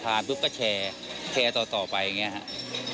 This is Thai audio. ทานพวกก็แชร์ต่อไปอย่างนี้ครับ